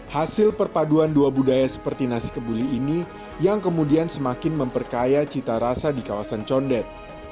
hasil perpaduan dua budaya seperti nasi kebuli ini yang kemudian semakin memperkaya cita rasa di kawasan condet